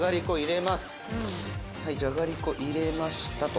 「はいじゃがりこ入れましたと。